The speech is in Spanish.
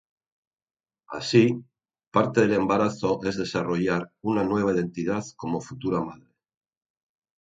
Así, parte del embarazo es desarrollar una nueva identidad como futura madre.